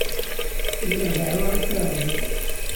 Lliɣ deɛɛuɣ-as i Ṛebbi.